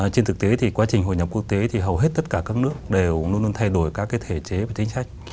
trên thực tế thì quá trình hội nhập quốc tế thì hầu hết tất cả các nước đều luôn luôn thay đổi các thể chế và chính sách